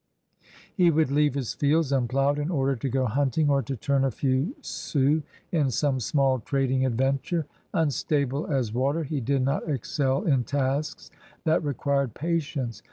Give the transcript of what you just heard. He would leave his fields unploughed in order to go hunting or to turn a few sous in some small trading adventure. Unstable as water, he did not excel in tasks that required patience.